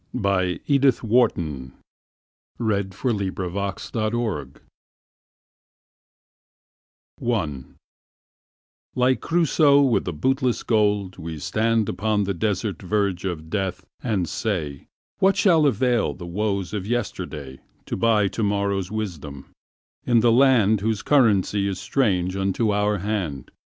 1900. By EdithWharton 1708 Experience ILIKE Crusoe with the bootless gold we standUpon the desert verge of death, and say:"What shall avail the woes of yesterdayTo buy to morrow's wisdom, in the landWhose currency is strange unto our hand?